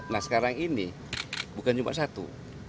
nah sekarang ini bukan cuma satu